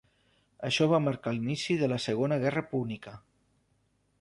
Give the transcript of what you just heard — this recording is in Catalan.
Això va marcar l'inici de la Segona Guerra Púnica.